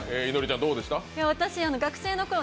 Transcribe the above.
私、学生のころ